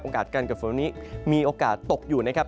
การเกิดฝนวันนี้มีโอกาสตกอยู่นะครับ